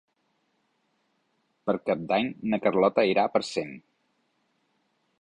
Per Cap d'Any na Carlota irà a Parcent.